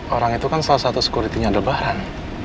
orang itu kan salah satu sekuritinya debaran